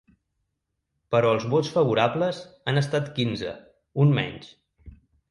Però els vots favorables han estat quinze, un menys.